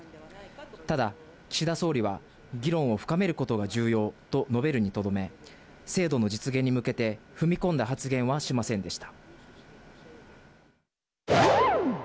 ただ、岸田総理は議論を深めることが重要と述べるにとどめ、制度の実現に向けて、踏み込んだ発言はしませんでした。